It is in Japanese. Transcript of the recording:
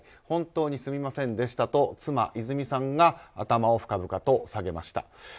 本当にすみませんでしたと妻・和さんが頭を深々と下げました。